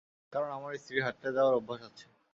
কারণ আমার স্ত্রীর হাটতে যাওয়ার অভ্যাস আছে।